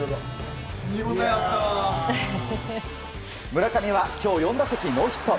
村上は今日４打席ノーヒット。